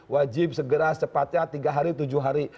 wajib segera secepatnya tiga hari tujuh hari